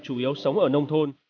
chủ yếu sống ở nông thôn